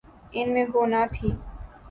ان میں وہ نہ تھی۔